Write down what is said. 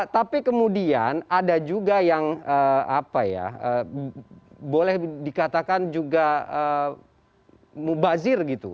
tapi kemudian ada juga yang apa ya boleh dikatakan juga mubazir gitu